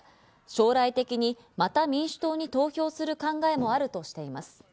将来的に、また民主党に投票する考えもあるとしています。